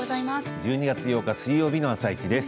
１２月８日水曜日の「あさイチ」です。